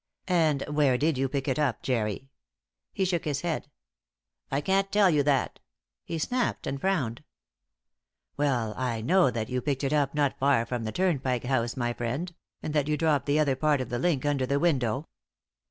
"And where did you pick it up, Jerry?" He shook his head. "I can't tell you that," he snapped, and frowned. "Well, I know that you picked it up not far from the Turnpike House, my friend, and that you dropped the other part of the link under the window."